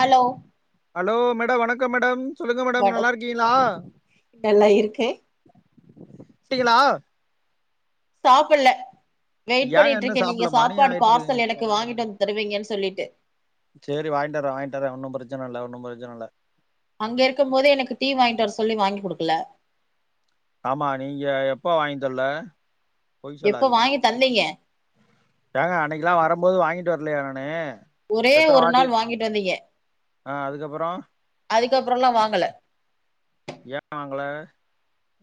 Hello hello மேட வணக்க madam சொல்லுங்க மேடம் வணக் நல்லாருக்கீங்ளா நல்லா இருக்கே சீகளா சாப்புல்ல வெயிட் ஏங்க இன்னு பண்ணிட்ருக்கே நீங்க சாப்டல மணி சாப்பாடு ஆயிட்டு இருக்குங்க பார்சல் எனக்கு பன்னெண்டு வாங்கிட் மணி வந்து தருவீங்கன் சொல்லிட் சேரி வாய்ன்டர வாய்ன்டர ஒன்னு பிரச்சன இல்ல ஒன்னு பிரச்சன இல்ல அங்க இருக்கம் போதே எனக்கு டீ வாய்ன்ட்டு வர சொல்லி வாங்கி குடுக்குல ஆமா நீங்க எப்ப வாங்கி தல்ல பொய் எப்ப சொல்லாதீங்க வாங்கி தந்தீங்க ஏங்க அன்னக்கில்லா வரும்போது வாங்கிட்டு வரம்போது வாங்கிட்டு வர்லயா நானு ஒரே எத்தன ஒரு வாட்டி நாள் வாங்கிட் வந்தீங்க ஆ அதுக்கப்புறோ அதுக்கப்பறல்லா வாங்கல ஏ வாங்கள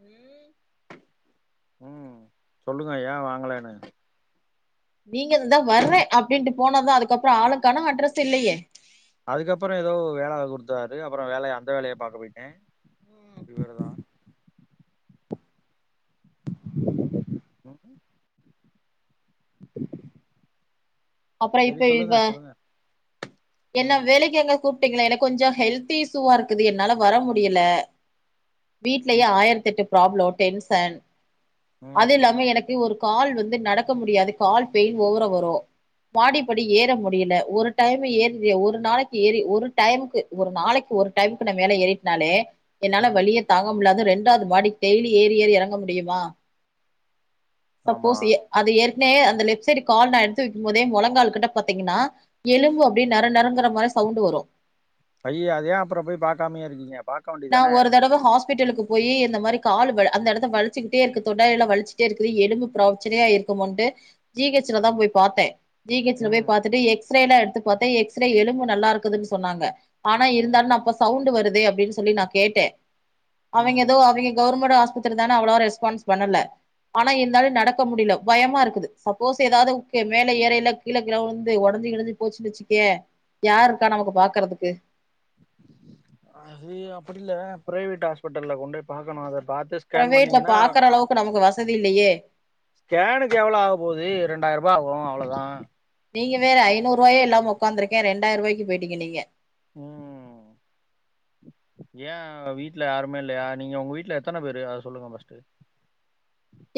ம் ம் சொல்லுங்க ஏ வாங்கலேனு நீங்க துதா வர்றே அப்டின்ட்டு போனத்தா அதுக்கப்பற ஆளுக்கானு அட்ரஸ் இல்லயே அதுக்கப்புற எதோ வேலவ குடுத்தாரு அப்பற வேலய அந்த வேலய பாக்க பொயிட்டே இவருதா [inaudible] [inaudible] அப்பற செரி இப்ப இவ சொல்லுங்க சொல்லுங்க என்ன ம் வேலைக்காங்க கூப் டிங்களா எனக் கொஞ்சோ ஹெல்த் இஸுவா இருக்குது என்னால வர முடியில வீட்லயே ம் ஆயிரத்தெட்டு ப்ராப்ளோ டென்சன் ம் அது ம் இல்லாம எனக்கு ஒரு கால் வந்து நடக்க முடியாது கால் பெயின் ஓவரா வரு மாடி படி ஏற முடியில ஒரு டைமு ஏறிறே ஒரு நாளைக்கு ஏறி ஒரு டைமுக்கு ஒரு நாளைக் ஒரு டைம்க்கு நா மேல ஏறிட்னாலே என்னால ம் வலியே தாங்க முட்லா அது ரெண்டாவது மாடிக்கு டெய்லி ஏறி ஏறி எறங்க முடியுமா? ஆமா சப்போஸ் ஏ அது ஏறிட் லே அந்த லெஃப்ட் சைடு கால் நா எடுத்து வெக்கும் போதே மொழங்கால் கிட்ட பாத்தீங்கன்னா எலும்பு அப்டியே நற நறங்கற மாரி சவுண்டு வரு ஐயே அத ஏ அப்பறோ போய் பாக்காமயே இருக்கீங்க? பாக்க நா வேண்டியதானே ஒரு தடவ ஹாஸ் பிட்டலுக்கு போயி இந்த மாரி காலு மேல அந்த எடத்த வலிச்சுக்கிட்டே இருக்கு தொடை எல்லா வலிச்சுட்டே இருக்குது எலும்பு ப்ரோச்சனையா இருக் குமோன்ட்டு ஜி ஹெச் ல தா போய் பாத்தே ஜி ஹெச் ல ம் போய் பாத்துட்டு எக்ஸ் ரே ல்லா எடுத்து பாத்தே எக்ஸ் ரே எலும்பு நல்லாருக்குதுன் சொன்னாங்க ஆனா இருந்தாலு அப்ப சவுண்டு வருதே அப்டின் சொல்லி நா கேட்டே அவிங்க ம் எதோ அவிங்க கவுர்மெண்டு ஆ ஸ்பத்திரி தான அவ்ளோ ரெஸ்பான்ஸ் பண்ணல ஆனா இருந்தாலு நடக்க முடியில பயமா இருக்குது சப்போஸ் எதாவது உக்கே மேல ஏறைல கீழ கீழ உழுந்து ஒட ஒடஞ்சி கிடஞ்சி போச்சுன் வெச்சிக்யே யார்ருக்கா நமக்கு பாக்கறதுக்கு? அது அப்படில்ல ப்ரைவேட் ஹாஸ்பிட்டல்ல கொண்டோய் பாக்கணு அத பாத்து ஸ்கேன் ப்ரைவேட்ல பண்ணீங்கன்னா பாக்கறளவுக்கு நமக்கு வசதி இல்லியே ஸ்கேனுக்கு எவ்ளோ ஆக போது ரெண்டாய்ருபா ஆகு அவ்ளோ தா நீங்க வேற ஐநூர்ருவாயே இல்லாம ஒக்காந்துருக்கே ரெண்டாய்ருவாய்க்கு போய்ட்டீங்க நீங்க ம் [inaudible] ஏ வீட்ல யாருமே இல்லையா நீங்க உங்க வீட்ல எத்தன பேரு அத சொல்லுங்க ஃபஸ்ட்டு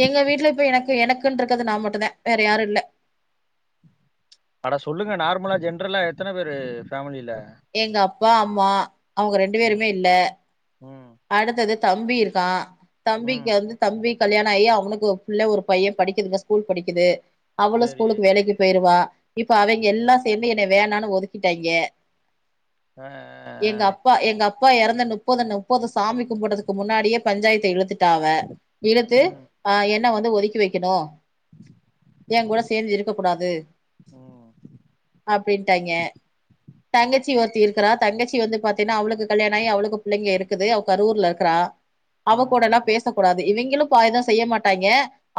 எங்க வீட்ல இப்ப எனக்கு எனக்குன்ருக்கறது நா மட்டுந்தா வேற யாரு இல்ல அட சொல்லுங்க நார்மலா ஜென்ரலா எத்தன பேரு ஃபேமிலில எங்க அப்பா அம்மா அவுங்க ரெண்டு ம் பேருமே இல்ல ம் அடுத்தது தம்பி இருக்கா, தம்பிக்கு ம் வந்து தம்பி கல்யாணாயி அவனுக்கு புள்ள, ஒரு பைய படிக்குதுங்க ஸ்கூல் படிக்குது அவளு சரி ஸ்கூலுக்கு வேலைக்கு போயிருவா இப்ப அவய்ங்கெல்லா சேந்து என்னைய வேணானு ஒதுக்கிட்டாய்ங்க ஆ ஆ எங்கப்பா எங்கப்பா எறந்த நுப்பது நு ப்பது சாமி கும்பட்றதுக்கு முன்னாடியே பஞ்சாயத்த இழுத்துட்டாவ இழுத்து ஆ என் ன வந்து ஒதுக்கி வெக்கணு எங்கூட சேந்து இருக்கக் கூடாது ம் அப்டின்ட்டாய்ங்க தங்கச்சி ஒருத் தி இருக்கறா தங்கச்சி வந்து பாத்தீன்னா அவளுக்கு கல்யாணாயி அவளுக்கு புள்ளைங்க இருக்குது அவ கரூர்ல இருக்கறா அவ ம் கூடல்லா ம் பேச கூடாது இவிங்களு பாய் தா செய்ய மாட்டாய்ங்க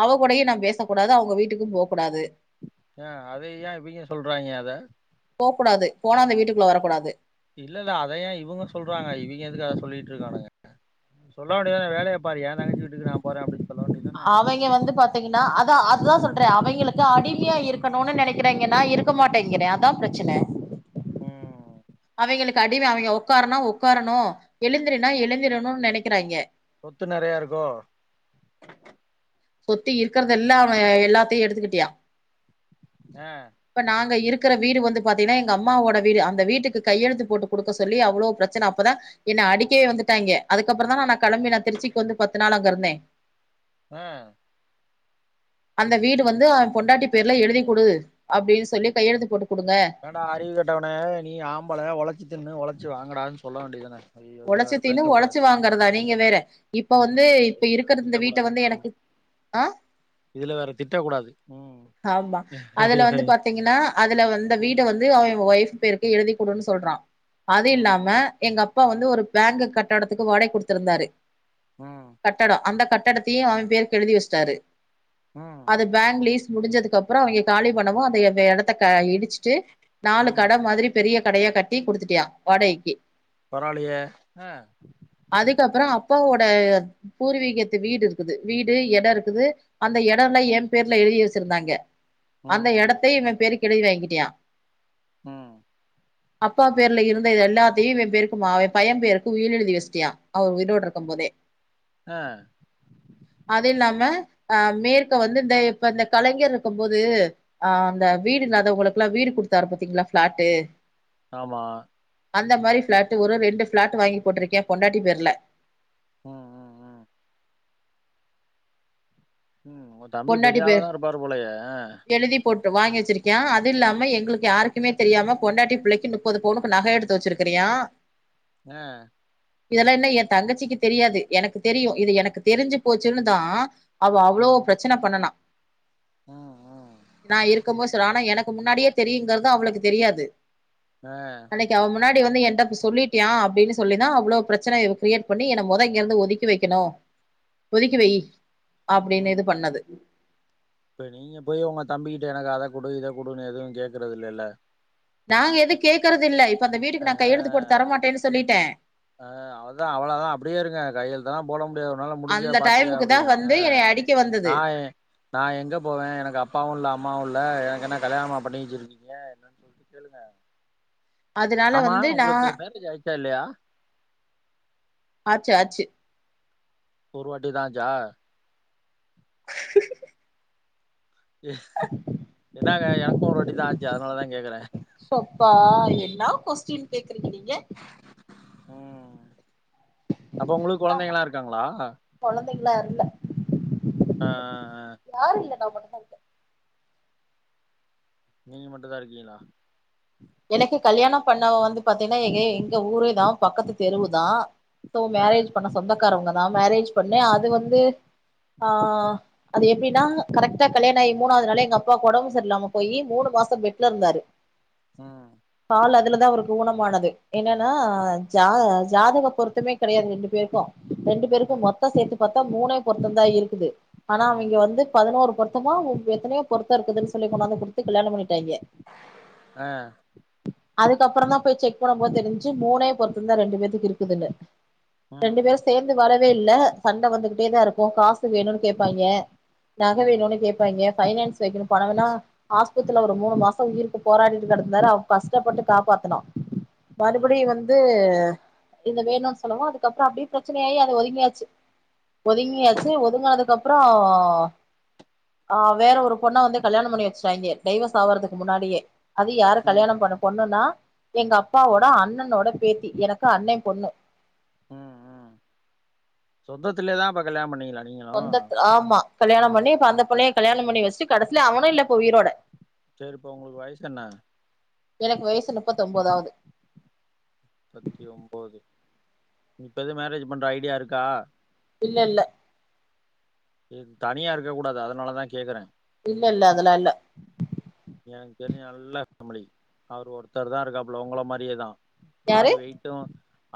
அவ கூடயு நா பேசக்கூடாது அவங்க வீட்டுக்கு போ கூடாது ஏ அத ஏ இவிங்க சொல்றாய்ங்க அத போ கூடாது போனா அந்த வீட்டுக்குள்ள வரக்கூடாது இல்லல்ல அத ஏ இவுங்க சொல்றாங்க, இவிங்க எதுக்கு அத சொல்லிட்ருக்கானுங்க? ம் சொல்ல வேண்டியதான வேலைய பாரு எ தங்கச்சி வீட்டுக்கு நா போறே அப்டி அவய்ங்க வந்து பாத்தீங்கன்னா அதா அதா சொல் றே அவய்ங்களுக்கு அடிமையா இருக்கணுனு நெனைக்கறாய்ங்க நா இருக்க மாட்டேங்கிறே அதா பிரச்சன ம் அவய்ங்களுக்கு அடிம அவிங்க ஒக்காருன்னா ஒக்காரணு எழுந்திரின்னா எழுந்திரணுன் நெனைக்கறாய்ங்க சொத்து நெறையா இருக்கோ சொத்து இருக்கறதெல்லா அவ எல்லாத்தயு எடுத்துக்கிட்டியா ஆ இப்ப நாங்க இருக் கற வீடு வந்து பாத்தீங்கனா எங்க அம்மாவோட வீடு அந்த வீட்டுக்கு கையெழுத்து போட்டு குடுக்க சொல்லி அவ்ளோ பிரச்சன அப்ப தா என்ன அடிக்கவே வந்துட்டாய்ங்க அதுக்கப்பறந்தா நா நா கெளம்பி நா திருச்சிக் வந்து பத்து நாள் அங்கருந்தே ஆ அந்த வீடு வந்து அவன் பொண்டாட்டி பேர்ல எழுதி் குடு அப்டின்னு சொல்லி கையெழுத்து போட்டு குடுங்க ஏண்டா அறிவு கட்டவனே நீ ஆம்பள ஒழைச்சி தின்னு ஒழைச்சு வாங்கடான்னு சொல்ல வேண்டி தானே ஐயயோ இதுல ஒழைச்சு வேற தின்னு பேசக்க கூடாது ஒழைச்சு சார் வாங்கறதா நீங்க வேற இப்ப உம் வந்து இப்ப இருக்கிற இந்த வீட்ட திட்டக்கூடாது வந்து ஆமா எனக்கு ஆ இதுல வேற திட்ட கூடாது உம் ஆமா அதுல வந்து பாத்தீங்கன்னா அதுல வந்து வீட ம் வந்து அவன் வைஃப் பேருக்கு எழுதிக்குடுன்னு சொல்றான் அது ம் இல்லாம எங்க அப் ப்பா வந்து ஒரு பேங்க் கட்டடத்துக்கு வாடகைக்கு குடுத்துருந்தாரு ம் கட்டடம் அந்த க டத்தையும் அவன் பேருக்கு எழுதி வச்ட்டாரு ம் அது பேங்க் லீஸ் முடிஞ்சதுக்கு அப்ரோ அவங்க காலி பண்ணவும் அத அந்த எடத்த இடிச்சுட்டு நாலு ம் கட மாதிரி பெரிய கடையா கட்டி குடுத்துட்டியான் வாடகைக்கு பரவாலையே ம் அதுக்கப்புறோ அப்பாவோட பூர்வீகத்து வீடு இருக்குது வீடு எடம் இருக்குது அந்த எடம்லாம் என் பேர்ல எழுதி வச் ச்சுருந்தாங்க அந்த ம் ம் எடத்த இவன் பேருக்கு எழுதி வாங்கிட்டியா ம் அப்பா பேர்ல இருந்தது எல்லாத்தையும் இவன் பேருக் என் பையன் பேருக்கு உயில் எழுதி வச்சிட்டியான் அவர் உயிரோடு இருக்கு போதே ஆ அது இல்லாம அ மேற்க வந்து இந்த இப்ப இந்த கலைஞர் இருக்கும் போது ஆ அந்த வீடு இல்லாதவங்களுக்குலாம் வீடு குடுத்தாரு பாத்தீங்களா ஃபிளாட்டு ஆமா அந்த மாரி ஃபிளாட்டு ஒரு ரெண்டு ஃபிளாட் வாங்கி போட்டிருக்க பொண்டாட்டி பேர்ல உம் உம் உம் உம் ஒ தம்பி பொண்டாட்டி பெரிய ஆள பேர் தா இருப்பாரு போலயே ஆ எழுதி போட்டு வாங்கி வச்சிருக்கியான் அது இல்லாம எங்களுக்கு யாருக்குமே தெரியாம பொண்டாட்டி பிள்ளைக்கு முப்பது பவுனுக்கு நக எடுத்து வச்சிருக்கிறியன் ஆ ஆ இதெல்லா என்ன என் தங்கச்சிக்கு தெரியாது எனக்கு தெரியும் இது எனக்கு தெரிஞ்சு போச்சுன்னு தா அவ அவ்ளோ ம் ப்ர னா ம் ம் நா இருக்கும் போது சொல்ல ஆனா எனக் முன்னாடியே தெரியுங்கறது அவளுக்கு தெரியாது ஆ அன்னைக்கு அவ முன்னாடி வந்து என்ட அப்ப சொல்லிட்டியா அப்டின்னு சொல்லிதா அவ்ளோ பிரச்சன இவ கிரியேட் பண்ணி என்ன மொத இங்கருந்து ஒதுக்கி வக்கணும் ஒதுக்கி வை அப்டின்னு ம் இது பண்ணது இப்ப நீங்க போய் உங்க தம்பிக்கிட்ட எனக்கு அத கொடு இத கொடுன்னு எதுன்னு கேக்குறது இல்லல நாங்க எது கேக்குறது இல்ல இப்ப அந்த வீட்டுக்கு நான் கையெழுந்து போட்டு தரமாட்டேன்னு சொல்லிட்ட அ அவளதா அவ்ளதா அப்படியே இருங்க கையிலத்தெல்லாம் போட முடியாதுனால உன்னல முடிஞ்ச அந்த பாத்துக்க டைமுக்கு தா அப்படின்னு வந்து என்னைய அடிக்க வந்தது ஆ நான் எங்க போவே எனக்கு அப்பாவும் இல்ல அம்மாவும் இல்ல லா எனக்கு என்ன கல்யாணமா பண்ணி வச்சிருக்கீங்க என்னன்னு சொல்லிட்டு கேளுங்க அதனால ஆமா வந்து நா உங்களுக்கு மேரேஜ் ஆயிச்சா இல்லையா சு ஆச்சு ஒருவாட்டி தான் ஆச்சா [unintelligible] என்னாங்க எனக்கும் ஒரு வாட்டி தான் ஆச்சு அதனாலதான் கேக்குறேன் பா என்னா கொஸ்டின் கேக்குறீக்க நீங்க ம் அப்ப உங்களுக்கு நாங்க குழந்தைங்கல்லாம் இருக்காங்களா இல்ல இல்ல ஆ ஆ ஆ யாரு நா மட்டுந்தா இருக்கே நீங்க மட்டு தான் இருக்கீங்களா எனக்கு கல்யாணம் பண்ணவ வந்து பாத்தீங்கன்னா எங்க எங்க ஊரேதா பக்கத்து தெருவுதா சோ ஆ மேரேஜ் பண்ண சொந்தக்காரவங்கதா மேரேஜ் பண்ணி அது வந்து ஆ அது எப்டினா கரெக்ட்டா கல்யாணோ ஆயி மூணாவது நாள் எங்க அப்பாக்கு ஒடம்பு சரியில்லாம போய் மூணு மாசோ பெட்ல இருந்தாரு ம் கால் அதுல தா அவருக்கு ஊனமானது என்னனா ஜா ஜாதக பொருத்தமே கெடையாது ரெண்டு பேருக்கு ரெண்டு பேருக்கு ம் மொத்தோ சேத்து பாத்தா மூணே பொருத்தந்தா இருக்குது ஆனா ம் அவிங்க வந்து பதினோரு பொருத்தமா எத்தனயோ பொருத்தோ இருக்குதுன்னு சொல்லி கொண்டாந்து குடுத்து கல்யாணம் பண்ணிட்டாங்க ஆ அதுக்கப்பறந்தா போய் செக் பண்ணும்போது தெரிஞ்சு மூணே பொறுத்தந்தா ரெண்டு பேத்துக்கு இருக்குதுனு ரெண்டு ம் பேரு சேர்ந்து வாழவே இல்ல சண்ட வந்துகிட்டேதா இருக்கு காசு வேணுன்னுனு கேப்பாங்கிக நக ம் வேணுனு கேப்பாஙிக பைனான்ஸ் வெக்கணு பணோ வேண்ணா ஆஸ்பித்திரல ஒரு மூணு மாசோ உயிருக்கு போராடி கிடந்தாரு அப் கஷ்டப்பட்டு காப்பாத்துனோ ம் மறுபடியு வந்து இந்த வேணுன்னு சொல்லவு அதுக்கப்பறோ அப்டியே பிரச்சனையாயி அது ஒதுங்கியாச்சு ஒதுங்கியாச்சு ஒதுங்கனதுக்கு அப்றோ ஆ வேற ஒரு பொண்ண வந்து கல்யாணம் பண்ணி வெச்சுட்டாங்க டைவஸ் ஆவறதுக்கு முன்னாடியே அது யார ம் கல்யாணம் பண்ண பொண்ணுனா எங்க அப்பாவோட அண்ணனோட பேத்தி எனக்கு அண்ணை பொண்ணு ம் ம் சொந்தத்திலயேதா அப்ப கல்யாணம் பண்ணிங்ளா சொந்த ஆமா கல்யாணம் பண்ணி இப்ப அந்த பிள்ளைய கல்யாணம் பண்ணி வெச்சுட்டு கடைசில அவனு இல்ல இப்ப உயிரோட சேரி இப்ப உங்களுக்கு வயசு என்ன முப்பத்தொன்பதாவது முப்பத்தி ஒம்போது இப்ப எது மேரேஜ் பண்ற ஐடியா இருக்கா இல்லல்ல தனியா இருக்க கூடாது அதனாலதா கேக்குறேன் இல்லல்ல அதெல்லா இல்ல எனக்கு தெரிஞ்ச நல்ல ஃபேமிலி அவர் ஒருத்தர்தா இருக்காப்பல உங்கள மாரியேதா யாரு ஆளு வெயிட்டு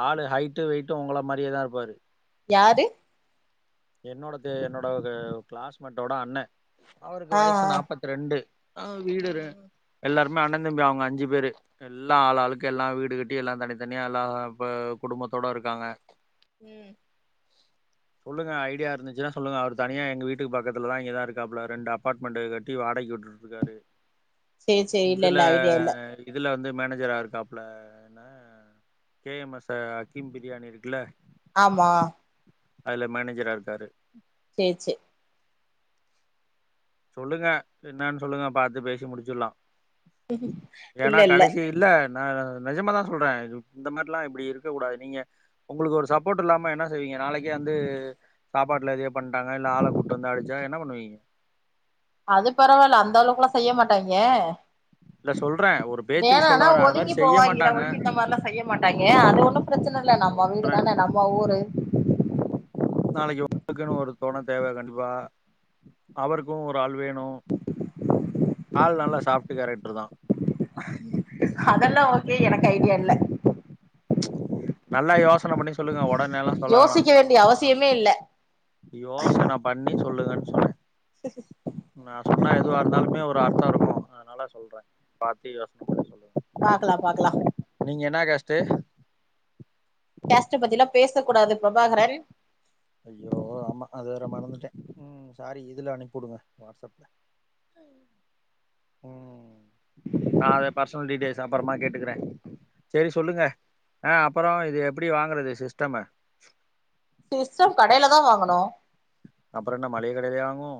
ஆளு ஹைட்டு வெயிட்டு உங்கள மாரியேதா இருப்பாரு யாரு என்னோடது என்னோட ஒரு கிளாஸ்மேட்டோட அண்ண அவருக்கு ஆ வயசு ஆ நாற்பத்தி ரெண்டு அ வீடு ம் ரெண் ம் எல்லாரு ன்னுமே அண்ண தம்பி அவுங்க அஞ்சு பேரு எல்லா ஆளாளுக்கு எல்லா வீடு கட்டி எல்லா தனித்தனியா எல்லா இப்ப குடும்ப தோட இருக்காங்க ம் சொல்லுங்க ஐடியா இருந்துச்சுனா சொல்லுங்க அவர் தனியா எங்க வீட்டு பக்கத்துல இங்கதா இருக்காப்பல ரெண்டு அப்பார்மெண்ட் கட்டி வாடகைக்கு விட்டு ருக்காரு சேரி சேரி இல்ல இதுல இல்ல ஐடியா இல்ல இதுல வந்து மேனேஜரா இருக்காப்ல என்ன கே எம் எஸ் அக்கிம் பிரியாணி இருக்கல்ல ஆமா அதுல மேனேஜரா இருக்காரு சேர் சே சொல்லுங்க என்னனு சொல்லுங்க பாத்து பேசி முடிச்சிடலா ஏனா கடைசி இல்ல நெ நெஜமாதா சொல்ற இந்த மாரில்லா இப்டி இருக்க கூடாது நீங்க உங்களுக்கு ஒரு சப்போர்ட் இல்லாம என்ன செய்வீ ங்க நாளைக்கே வந்து சாப்பாட்ல எதையோ பண்ட்டாங்க இல்ல ஆள கூட்டு வந்து அடிச்சா என்ன பண்ணுவீங்க அது பரவால அந்த அளவுக்கெல்லா செய்ய மாட்டாய்ங்க இல்ல சொல்றே ஒரு பேச்சுக்கு சொல்ல வேணானா வரே அது மாரி ஒதுங்கி செய்ய போவாங்கிற மாட்டாங்க ஒளிஞ்சி இந்த மாரில்லா செய்ய மாட் ட்டாங்க அது ஒன்னு பிரச்சன இல்ல நம்ம வீடுதான நம்ம ஊரு நாளைக்கு உங்களுகுன்னு ஒரு தொன தேவ கண்டிப்பா அவருக்கு ஒரு ஆள் வே னு ஆள் நல்லா சாப்ட்டு கேரக்டருதா அதெல்லா ஓகே எனக்கு ஐடியா இல்ல நல்லா யோசன பண்ணி சொல்லுங்க ஒட உம்மேலா சொல்ல வேணா யோசிக்க வேண்டிய ஒருனா அவசியமே இல்ல யோசன பண்ணி சொல்லுங்கன் எதுவாக இருந்தாலுமே ஒரு அர்த்தோருக்கு அதனால சொல்ற பாத்து யோசன பண்ணி சொல்லுங்க பாக்கலா பாக்கலா நீங்க என்ன கேஸ்ட்டு கேஸ்ட்டப் பத்தில்லா பேச கூடாது பிரபாகரன் ஐயோ ஆமா அது வேற மறந்துட்ட ம் சாரி இதுல அனுப்பிவுடுங்க வாட்ஸ்அப்ல உஹம் ம் நா அத பர்சனல் டீடெயல்ஸ் அப்பறமா கேட்டுக்குற செரி சொல்லுங்க ஆ அப்ரோ இது எப்பிடி வாங்கறது சிஸ்டம சிஸ்டம் கடைல தா வாங்கனு அப்பறோன்ன மளிக கடலையா வாங்குவோ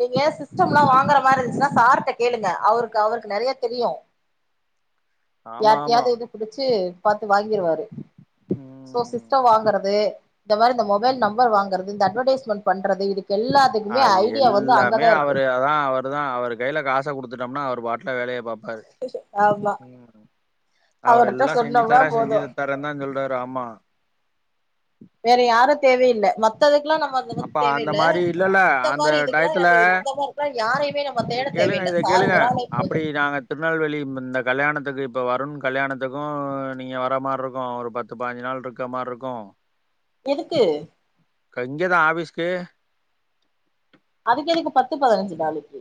நீங்க ஏ சிஸ்டம்லா வாங்கற மாரி சா சார்ட்ட கேளுங்க அவருக்கு அவருக்கு நெறைய தெரியு ஆமா ஆமா யாரட்டையாது இது புடிச்சு பாத்து வாங்கிருவாரு சோ ம் சிஸ்டோ வாங்கறது இந்த மாரி இந்த மொபைல் நம்பர் வாங்கறது இந்த அட்வர்டைஸ்மெண்ட் பண் அது எல்லாமே அங்கதா இருக்கு அவரு அதா அவரு தா அவர் கையில காச குடுத்துட்டம்னா அவர்பாட் வேலய பாப்பாரு ஆமா ம் அவர்ட்ட அவரெல்லா செஞ்சு சொன்னோம்னா தர போது செஞ்சு தரேன் தா சொல்றாரு ஆமா வேற யாரு தேவையில்ல மத்ததுக் இல்ல நம்ம அந்து மாரி அப்ப அந்த தேவையில்ல மாரி இல்லல்ல இந்த அந்த மாரி இதுக்கலா டயத்துல இந்த மாரிகளா யாரையுமே நம்ம இத தேட கேளுங்க தேவையில் இத கேளுங்க அப்பிடி நாங்க திருநெல்வேலி இந்த கல்யாணத்துக்கு இப்ப வருண் கல்யாணத்துக்கு நீங்க வர மாரிருக்கு ஒரு பத்து பாதிஞ்சு நாள்ருக்க மா ட்ருக்கு எதுக்கு க இங்க தா ஆஃபிஸ்க்கு அவுங்களுக்கு பத்து பதினஞ்சு நாளைக்கி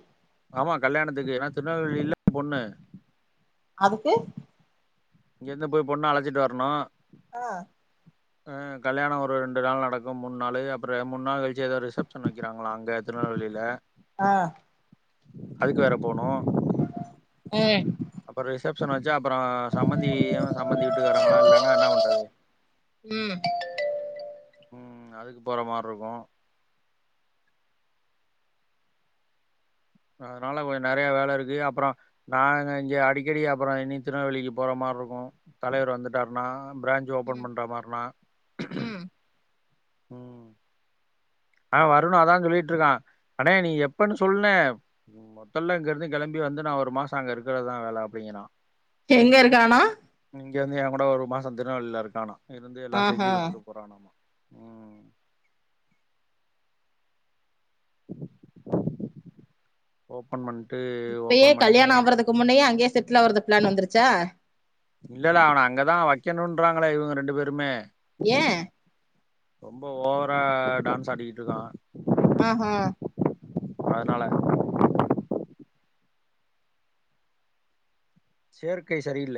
ஆமா கல்யாணத்துக்கு ஏனா திருநெல்வேலில பொண்ணு அதுக்கு இங்கேருந்து போய் பொண்ண அழச்சிட்டு வரணு அ அ கல்யாணோ ஒரு ரெண்டு நாள் நடக்கு மூன்னாளே அப்பற மூன்னாள் கழி ச்சு ஏதோ ரிசப்ஷன் வைக்கிறாங்களா அங்க திருநெல்வேலில ஆ அதுக்கு வேற போணு அ அப்பறே ரிசப்ஷன் வச் சு அப்புறோ சம்பந்தியு சம்பந்தி விட்டுக்காராங்களு இல்லன்னா என்ன பண்றது [inaudible] ம் ம் அதுக்கு போற மாரிருக்கு அதனால கொஞ்ச நறைய வேலருக்கு அப்பறோ நாங்க இஞ்ச அடிக்கடி அப்பறோ இனி திருநெல்வேலிக்கி போறமா மார்ருக்கு தலைவர் வந்துட்டாருனா பிரான்ஞ்ச் ஓபன் ம் பண்ற மார்னா ம் ம் ஆ வரணு அதா சொல்லிட்டுருக்கா அண்ணே நீ எப்பன்னு சொல்னே மொத்தல்ல இங்கருந்து கெளம்பி வந்து நா ஒரு மாசோ அங்க இருக்கறதுதா வேல அப்டிங்கறா எங்கருக்கானா இங்கேருந்து ஏங்கூட ஒரு மாசோ திருநெல்வேலில இருக்கான்னா இருந்து எல்லா ஆஹா செஞ்சு குடுத்துட்டு போறானா ம் [inaudible] ஓபன் பண் இப்பயே கல்யாணோ ஆகறதுக்கு முன்னயே அங்கேயே செட்டில் ஆவுறத் பிளான் வந்துருச்சா இல்லல்ல அவன அங்கதா வைக்கணுன்றாங்களே இவுங்க ரெண்டு பேருமே ஏ ரொம்ப ஓவரா டான்ஸ் ஆடிகிட்டு இருக்கா ம் ஹும் அதனால சேர்கை சரியில்ல